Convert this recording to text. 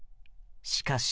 しかし。